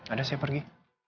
ada saya pergi